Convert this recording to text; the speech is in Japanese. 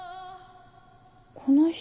この人。